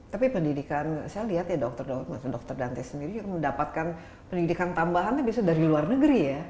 tapi pendidikan saya lihat ya dokter dante sendiri mendapatkan pendidikan tambahannya dari luar negeri ya